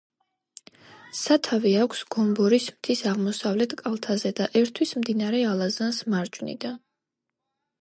სათავე აქვს გომბორის მთის აღმოსავლეთ კალთაზე და ერთვის მდინარე ალაზანს მარჯვნიდან.